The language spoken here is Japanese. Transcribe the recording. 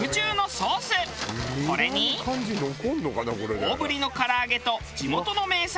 大ぶりのからあげと地元の名産